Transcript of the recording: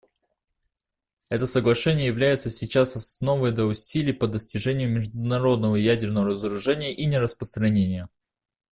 Это соглашение является сейчас основой для усилий по достижению международного ядерного разоружения и нераспространения.